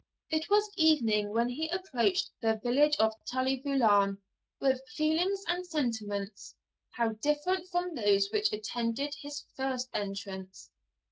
It was evening when he approached the village of Tully Veolan, with feelings and sentiments how different from those which attended his first entrance!